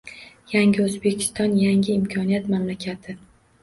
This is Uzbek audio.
Yangi O‘zbekiston – yangi imkoniyat mamlakati